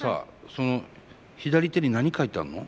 その左手に何書いてあるの？